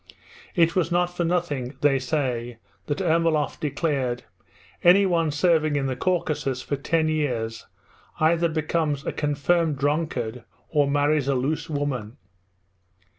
It was not for nothing, they say, that Ermolov declared: "Anyone serving in the Caucasus for ten years either becomes a confirmed drunkard or marries a loose woman."